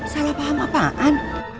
salah faham apaan